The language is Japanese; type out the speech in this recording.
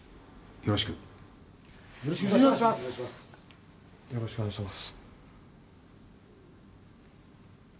よろしくお願いします